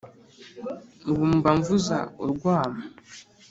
Ubu mba mvuza urwamo